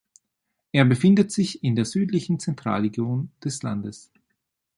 Er befindet sich in der südlichen Zentralregion des Landes.